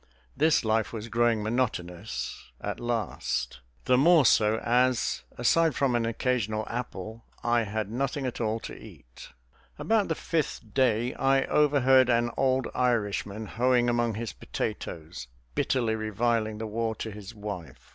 This life was growing monotonous at last; the more so as, aside from an occasional apple, I had nothing at all to eat. About the fifth day I overheard an old Irishman, hoeing among his potatoes, bitterly reviling the war to his wife.